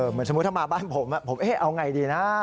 เหมือนสมมุติถ้ามาบ้านผมผมเอาไงดีนะ